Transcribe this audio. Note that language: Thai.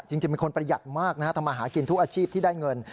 จริงเป็นคนประหยัดมากนะฮะทำมาหากินทุกอาชีพที่ได้เงิน